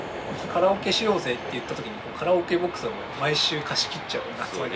カラオケしようぜって言ったときにカラオケボックスを毎週貸し切っちゃうような集まり。